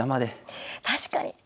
確かに。